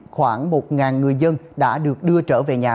khoảng một người dân đã được đưa trở về nhà